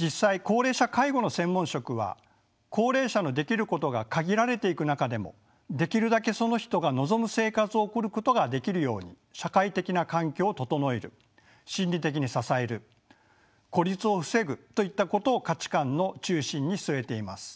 実際高齢者介護の専門職は高齢者のできることが限られていく中でもできるだけその人が望む生活を送ることができるように社会的な環境を整える心理的に支える孤立を防ぐといったことを価値観の中心に据えています。